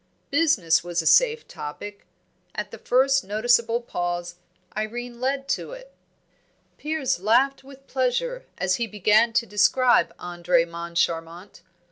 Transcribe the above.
Business was a safe topic; at the first noticeable pause, Irene led to it. Piers laughed with pleasure as he began to describe Andre Moncharmont.